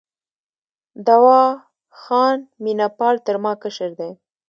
دوا خان مینه پال تر ما کشر دی.